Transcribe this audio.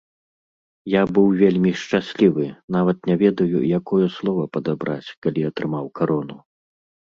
Я быў вельмі шчаслівы, нават не ведаю, якое слова падабраць, калі атрымаў карону.